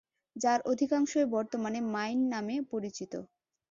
যার অধিকাংশই বর্তমানে "মাইন" নামে পরিচিত।